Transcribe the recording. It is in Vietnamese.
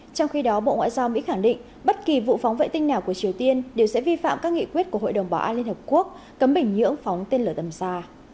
trong khi đó bộ ngoại giao mỹ khẳng định bất kỳ vụ phóng vệ tinh nào của triều tiên đều sẽ vi phạm các nghị quyết của hội đồng bảo an liên hợp quốc cấm bình nhưỡng phóng tên lửa tầm xa